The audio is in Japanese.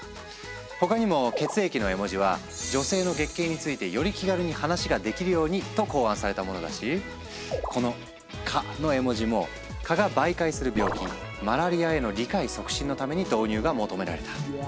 他にも血液の絵文字は女性の月経についてより気軽に話ができるようにと考案されたものだしこの蚊の絵文字も蚊が媒介する病気マラリアへの理解促進のために導入が求められた。